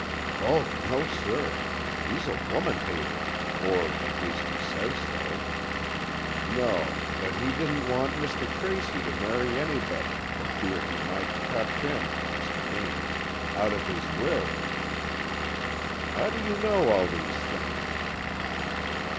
"Oh, no, sir. He's a woman hater. Or at least he says so. No, but he didn't want Mr. Tracy to marry anybody for fear he might cut him, Mr. Ames, out of his will." "How do you know all these things?"